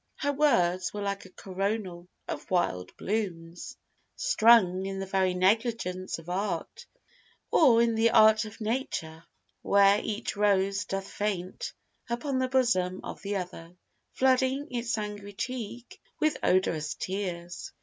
Her words were like a coronal of wild blooms Strung in the very negligence of Art, Or in the art of Nature, where each rose Doth faint upon the bosom of the other, Flooding its angry cheek with odorous tears.